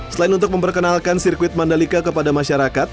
selain untuk memperkenalkan sirkuit mandalika kepada masyarakat